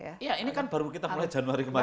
iya ini kan baru kita mulai januari kemarin